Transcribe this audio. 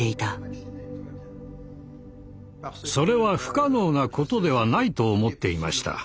それは不可能なことではないと思っていました。